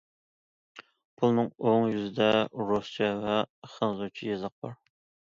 پۇلنىڭ ئوڭ يۈزىدە رۇسچە ۋە خەنزۇچە يېزىق بار.